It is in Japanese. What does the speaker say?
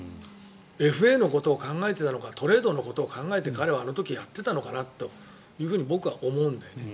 ＦＡのことを考えてなのかトレードのことを考えて彼はやっていたのかなと僕は思うんだよね。